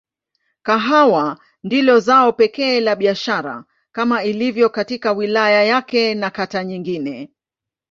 Kahawa ndilo zao pekee la biashara kama ilivyo katika wilaya yake na kata nyingine.